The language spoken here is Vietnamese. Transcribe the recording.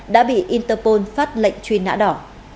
đã bị interpol phát lệnh truy nã đỏ